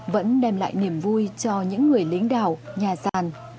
vẫn đem lại niềm vui cho những người lính đảo nhà sàn